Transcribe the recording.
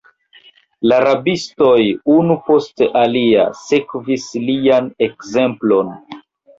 La rabistoj, unu post alia, sekvis lian ekzemplon.